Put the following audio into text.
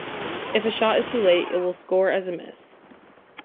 If a shot is too late, it will score as a miss.